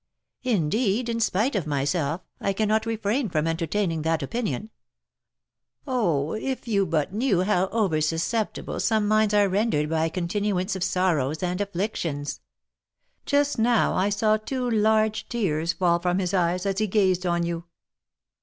"Indeed, in spite of myself, I cannot refrain from entertaining that opinion. Oh, if you but knew how over susceptible some minds are rendered by a continuance of sorrows and afflictions, just now I saw two large tears fall from his eyes, as he gazed on you."